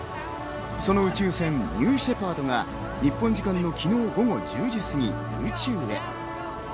その宇宙船ニューシェパードが日本時間の昨日午後１０時すぎに宇宙へ。